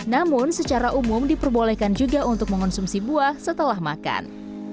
namun secara umum diperbolehkan juga untuk mengonsumsi buah setelah makan